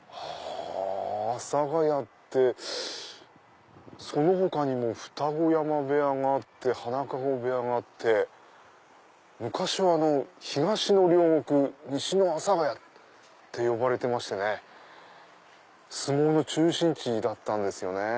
阿佐谷ってその他にも二子山部屋があって花籠部屋があって昔は東の両国西の阿佐谷って呼ばれてましてね相撲の中心地だったんですよね。